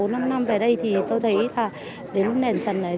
bốn năm năm về đây thì tôi thấy đến nền trần này